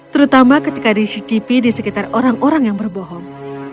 terutama ketika dicicipi di sekitar orang orang yang berbohong